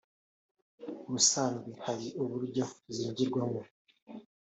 ubusanzwe hari uburyo zinjirwamo